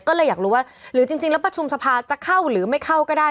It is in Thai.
ก็เลยอยากรู้ว่าหรือจริงแล้วประชุมสภาจะเข้าหรือไม่เข้าก็ได้